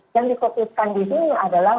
yang difokuskan di sini adalah